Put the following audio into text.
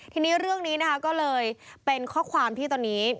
ทีนี้เรื่องนี้นะคะก็เลยเป็นข้อความที่ตอนนี้